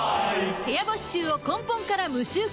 部屋干し臭を根本から無臭化